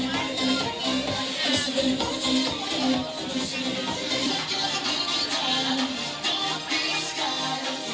แบบนี้แบบทำไม